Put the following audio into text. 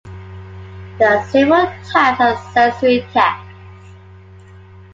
There are several types of sensory tests.